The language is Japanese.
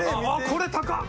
これ高っ！